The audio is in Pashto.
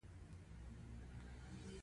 له یوې مودې وروسته باید خپل پور ادا کړي